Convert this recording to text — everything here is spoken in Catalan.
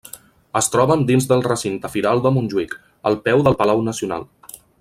Es troben dins del recinte firal de Montjuïc, al peu del palau Nacional.